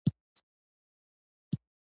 مېز د ماشومانو نقاشۍ لپاره ځای دی.